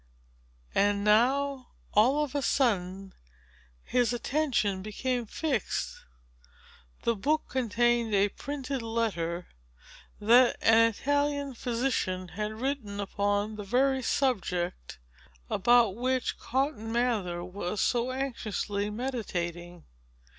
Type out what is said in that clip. And now, all of a sudden, his attention became fixed. The book contained a printed letter that an Italian physician had written upon the very subject, about which Cotton Mather was so anxiously meditating.